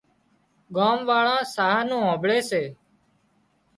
ڳام واۯان ساهَه نُون هانمڀۯي سي